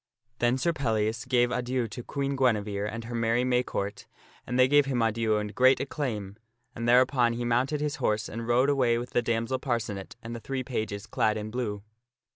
Then Sir Pellias gave adieu to Queen Guinevere, and her merry May court, and they gave him adieu and great acclaim, and thereupon he mounted his horse and rode away with the damsel Parcenet and the three pages clad in blue.